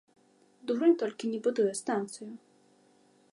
Дурань толькі не будуе станцыю.